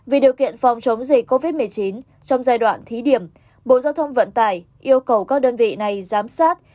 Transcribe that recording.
vì điều kiện phòng chống dịch covid một mươi chín trong giai đoạn thí điểm bộ giao thông vận tải yêu cầu các đơn vị này giám sát